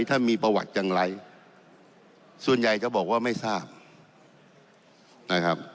ท่านมีประวัติอย่างไรส่วนใหญ่จะบอกว่าไม่ทราบนะครับ